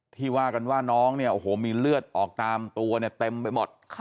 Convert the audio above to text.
ว่ากันว่าน้องเนี่ยโอ้โหมีเลือดออกตามตัวเนี่ยเต็มไปหมด